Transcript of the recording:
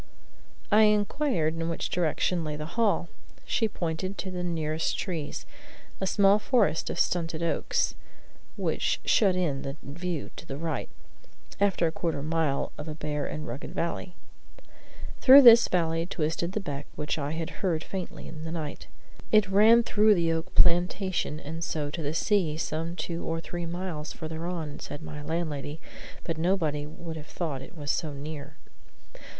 I inquired in which direction lay the hall. She pointed to the nearest trees, a small forest of stunted oaks, which shut in the view to the right, after quarter of a mile of a bare and rugged valley. Through this valley twisted the beck which I had heard faintly in the night. It ran through the oak plantation and so to the sea, some two or three miles further on, said my landlady; but nobody would have thought it was so near.